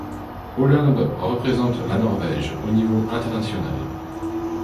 Olimb représente la Norvège au niveau international.